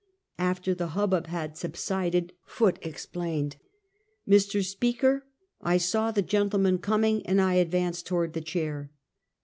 After the hubbub had subsided. Foot explained: " Mr. Speaker, I saw the gentleman coming, and I advanced toward the chair."